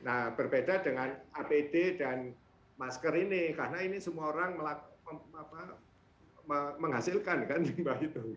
nah berbeda dengan apd dan masker ini karena ini semua orang menghasilkan kan limbah itu